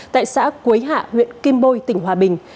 tại xã quế hạ huyện kim bôi tỉnh hòa bình